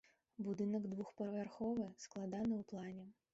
Будынак двухпавярховы складаны ў плане.